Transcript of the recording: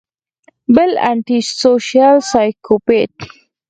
بل انټي سوشل سايکوپېت